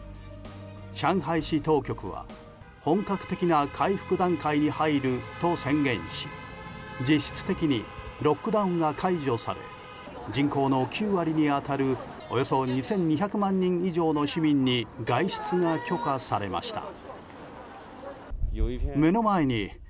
上海市当局は本格的な回復段階に入ると宣言し、実質的にロックダウンが解除され人口の９割に当たるおよそ２２００万人以上の市民に外出が許可されました。